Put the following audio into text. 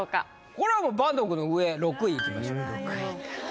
これはもう坂東君の上６位いきましょう。